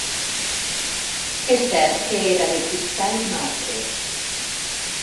És cert que era de cristall i marbre.